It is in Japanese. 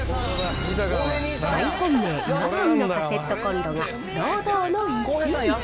大本命、イワタニのカセットコンロが堂々の１位。